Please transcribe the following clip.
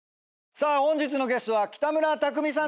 さあ本日のゲストは北村匠海さん